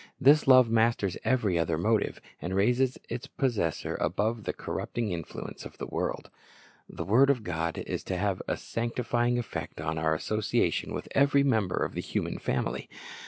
This love masters every other motive, and raises its possessor above the corrupting influence of the world. The word of God is to have a sancti fying effect on oar association with every member of the human family.